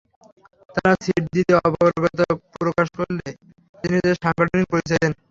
তাঁরা সিট দিতে অপারগতা প্রকাশ করলে তিনি তাঁর সাংগঠনিক পরিচয় দেন।